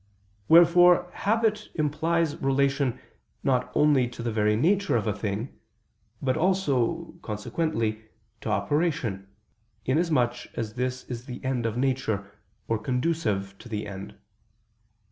Wherefore habit implies relation not only to the very nature of a thing, but also, consequently, to operation, inasmuch as this is the end of nature, or conducive to the end.